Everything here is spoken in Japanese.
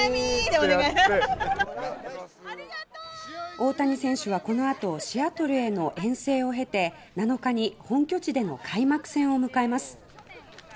大谷選手はこのあとシアトルへの遠征を経て７日に本拠地での開幕戦を迎えます。